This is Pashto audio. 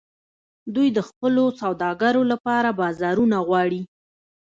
دوی د خپلو سوداګرو لپاره بازارونه غواړي